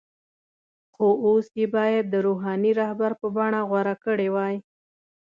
خو اوس یې باید د “روحاني رهبر” بڼه غوره کړې وای.